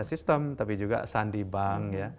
sistem tapi juga sandi bank ya